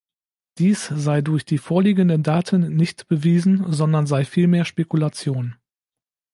Dies sei durch die vorliegenden Daten nicht bewiesen, sondern sei vielmehr Spekulation.